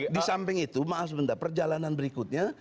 di samping itu maaf sebentar perjalanan berikutnya